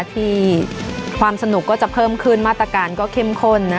ที่ความสนุกก็จะเพิ่มขึ้นมาตรการก็เข้มข้น